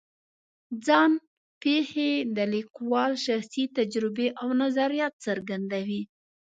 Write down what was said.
ځان پېښې د لیکوال شخصي تجربې او نظریات څرګندوي.